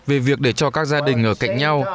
về việc để cho các gia đình ở cạnh nhau